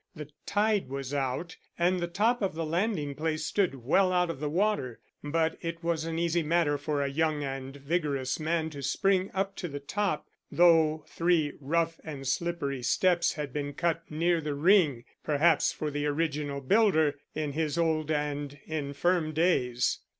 The tide was out, and the top of the landing place stood well out of the water, but it was an easy matter for a young and vigorous man to spring up to the top, though three rough and slippery steps had been cut near the ring, perhaps for the original builder in his old and infirm days.